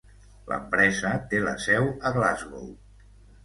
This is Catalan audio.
L'empresa té la seu a Glasgow.